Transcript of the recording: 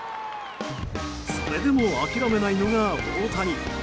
それでも諦めないのが大谷。